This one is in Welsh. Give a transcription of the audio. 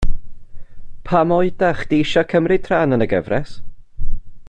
Pam oeda chdi isio cymryd rhan yn y gyfres